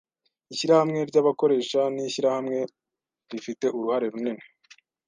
Ishyirahamwe ryabakoresha nishyirahamwe rifite uruhare runini.